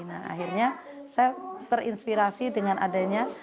nah akhirnya saya terinspirasi dengan adanya